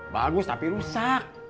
bagus tapi rusak